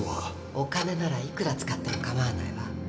お金ならいくら使っても構わないわ。